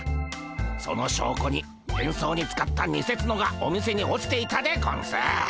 その証拠に変装に使ったにせツノがお店に落ちていたでゴンス。